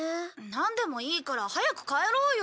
なんでもいいから早く帰ろうよ。